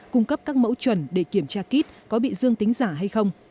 cung cấp các mẫu chuẩn để kiểm tra kít có bị dương tính giả hay không